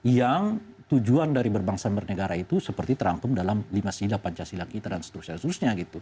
yang tujuan dari berbangsa dan bernegara itu seperti terangkum dalam lima sila pancasila kita dan seterusnya